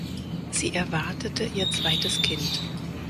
Sie erwartete ihr zweites Kind.